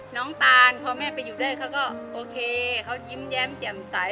ตานพอแม่ไปอยู่ด้วยเขาก็โอเคเขายิ้มแย้มแจ่มใส